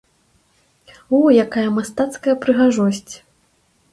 О, якая мастацкая прыгажосць!